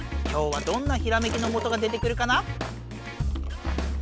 今日はどんなひらめきのもとが出てくるかな？